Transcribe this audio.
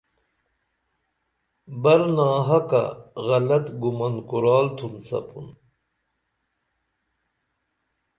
برناحقہ غلط گُمن کُرال تھُن سپُں